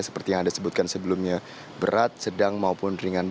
seperti yang anda sebutkan sebelumnya berat sedang maupun ringan